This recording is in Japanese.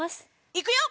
いくよ！